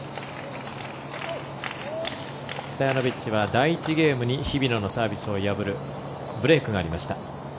ストヤノビッチは第１ゲームに日比野のサービスを破るブレークがありました。